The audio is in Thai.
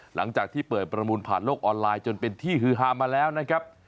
หลังจากที่เปิดประมูลผ่านโลกออนไลน์จนเป็นที่ฮือฮามาแล้วนะครับ